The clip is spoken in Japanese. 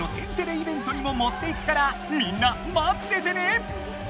イベントにももっていくからみんなまっててね！